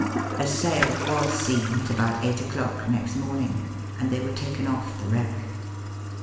A sail was seen at about eight o'clock next morning, and they were taken off the wreck.